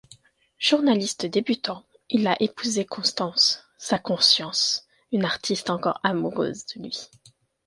Journaliste débutant, il a épousé Constance, sa conscience, une artiste encore amoureuse de lui.